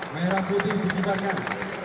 merah putih disibarkan